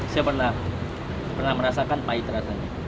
saya pernah merasakan pahit katanya